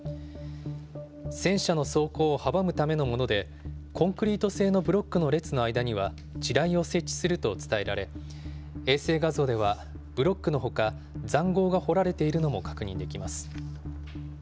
戦車の走行を阻むためのもので、コンクリート製のブロックの列の間では、地雷を設置すると伝えられ、衛星画像ではブロックのほか、ざんごうが掘られているのも確認できます。